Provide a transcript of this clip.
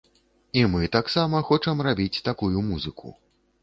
І мы таксама хочам рабіць такую музыку.